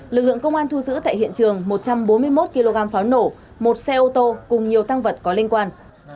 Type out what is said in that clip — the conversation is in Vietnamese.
lực lượng công an thu giữ tại hiện trường một trăm bốn mươi một kg pháo nổ một xe ô tô cùng nhiều tăng vật có liên quan